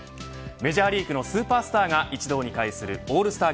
メジャーリーグのスーパースターが一堂に会するオールスター